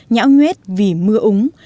nhão nguyết vì mưa úng